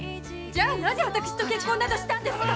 じゃあなぜ私と結婚などしたんですか？